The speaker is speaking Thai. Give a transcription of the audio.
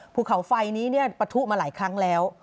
ภูเขาไฟนี้ปะทุมาหลายครั้งแล้ว